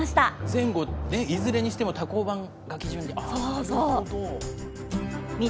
前後、いずれにしても多孔板が基準に。